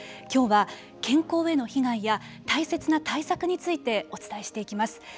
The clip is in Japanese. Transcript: きょうは健康への被害や大切な対策についてお伝えしていきます。